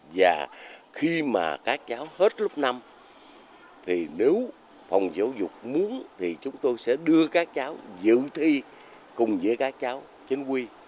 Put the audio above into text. và khi mà các cháu hết lúc năm thì nếu phòng giáo dục muốn thì chúng tôi sẽ đưa các cháu dự thi cùng với các cháu trên quy